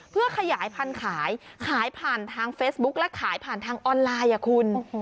เพื่อขยายพันธุ์ขายขายผ่านทางเฟซบุ๊คและขายผ่านทางออนไลน์อ่ะคุณ